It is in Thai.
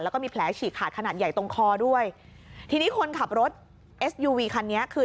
แล้วก็มีแผลฉีกขาดขนาดใหญ่ตรงคอด้วยทีนี้คนขับรถเอสยูวีคันนี้คือ